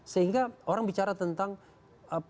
sehingga orang bicara tentang apa